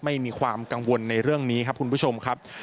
ไม่มีความกังวลในเรื่องนี้ครับคุณผู้ชมครับ